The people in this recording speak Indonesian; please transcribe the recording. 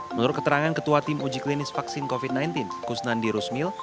menurut keterangan ketua tim uji klinis vaksin covid sembilan belas kusnandi rusmil